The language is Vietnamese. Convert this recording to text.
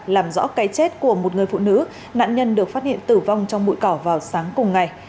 làm rõ cái chết của một người phụ nữ nạn nhân được phát hiện tử vong trong bụi cỏ vào sáng cùng ngày